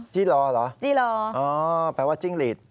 จิลอเหรออ๋อแปลว่าจิ้งรีด